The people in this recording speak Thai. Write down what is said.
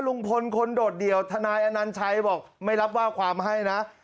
ลุงพลคนโดดเดี่ยวทนายอนัญชัยบอกไม่รับว่าความให้นะ